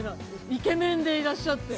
イケメンでいらっしゃって。